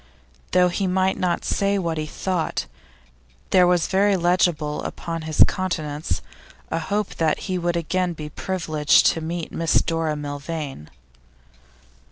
Though he might not say what he thought, there was very legible upon his countenance a hope that he would again be privileged to meet Miss Dora Milvain.